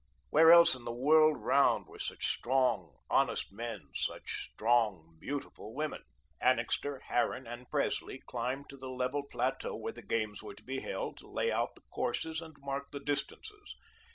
Where else in the world round were such strong, honest men, such strong, beautiful women? Annixter, Harran, and Presley climbed to the level plateau where the games were to be held, to lay out the courses, and mark the distances.